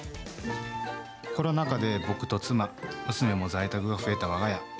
コロナ禍で僕と妻、娘も在宅が増えたわが家。